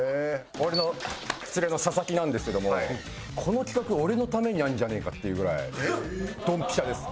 俺の連れの佐々木なんですけどもこの企画俺のためにあるんじゃねえかっていうぐらいドンピシャです。